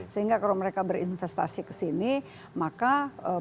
sehingga kalau mereka berinvestasi ke sini maka produknya juga sangat besar